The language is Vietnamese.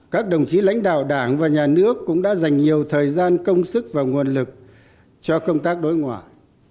các đồng chí lãnh đạo đảng và nhà nước cũng đã dành nhiều thời gian công sức và nguồn lực cho công tác đối ngoại